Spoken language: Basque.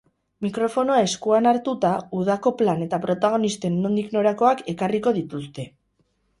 Mikrofonoa eskuan hartuta, udako plan eta protagonisten nondik norakoak ekarriko dituzte.